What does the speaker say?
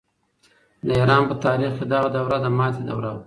د ایران په تاریخ کې دغه دوره د ماتې دوره وه.